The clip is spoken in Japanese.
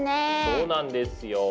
そうなんですよ。